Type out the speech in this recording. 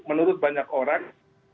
menurut banyak orang